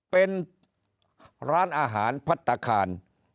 เป็นร้านอาหารพัฒนาคาร